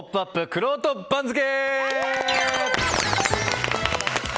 くろうと番付！